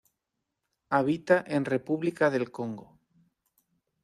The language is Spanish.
Habita en República del Congo.